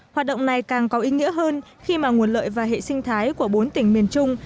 hoạt động này càng có ý nghĩa hơn khi mà nguồn lợi và hệ sinh thái của bốn tỉnh miền trung